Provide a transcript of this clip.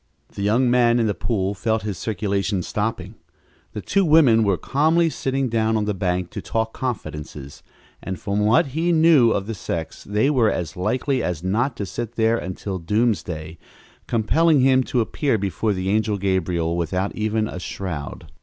The young man in the pool felt his circulation stopping. The two women were calmly sitting down on the bank to talk confidences, and from what he knew of the sex they were as likely as not to sit there until doomsday, compelling him to appear before the angel Gabriel without even a shroud.